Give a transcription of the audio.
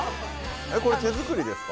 これ手作りですか？